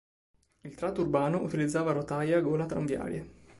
Il tratto urbano utilizzava rotaie a gola tranviarie.